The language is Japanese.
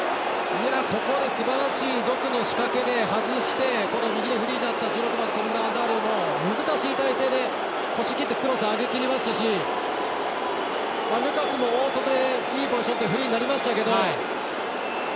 ここですばらしいドクの仕掛けでこの右、フリーになった１６番、トルガン・アザールも難しい体勢で押し切ってクロスを上げきりましたしルカクも大外でいいポジションでフリーになりましたけど。